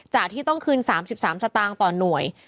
ที่ต้องคืน๓๓สตางค์ต่อหน่วย